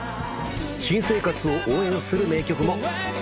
新生活を応援する名曲も。